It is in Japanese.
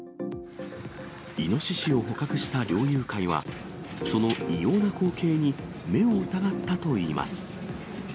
イノシシを捕獲した猟友会は、その異様な光景に、目を疑ったといいます。